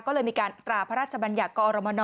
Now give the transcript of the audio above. ก็เลยมีการตราพระราชบัญญะกอ